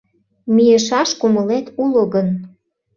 Мийышаш кумылет уло гын.